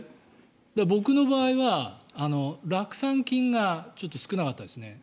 僕の場合は酪酸菌がちょっと少なかったですね。